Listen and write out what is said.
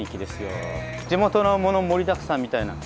地元のもの盛りだくさんみたいな。